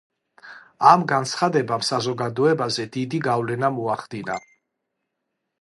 ამ განცხადებამ საზოგადოებაზე დიდი გავლენა მოახდინა.